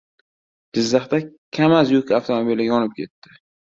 Jizzaxda “Kamaz” yuk avtomobili yonib ketdi